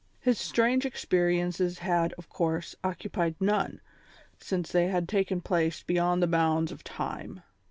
His strange experiences had, of course, occupied none, since they had taken place beyond the bounds of Time.